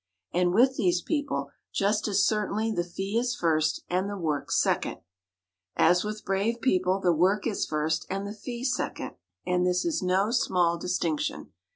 And with these people, just as certainly the fee is first, and the work second, as with brave people the work is first, and the fee second. And this is no small distinction.